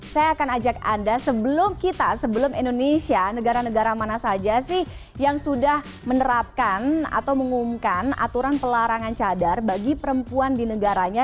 saya akan ajak anda sebelum kita sebelum indonesia negara negara mana saja sih yang sudah menerapkan atau mengumumkan aturan pelarangan cadar bagi perempuan di negaranya